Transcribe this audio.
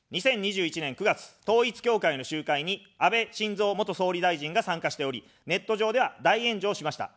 ２０２１年９月、統一教会の集会に安倍晋三元総理大臣が参加しており、ネット上では大炎上しました。